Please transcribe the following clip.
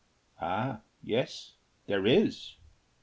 Ah, yes, there is!